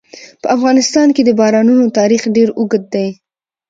په افغانستان کې د بارانونو تاریخ ډېر اوږد دی.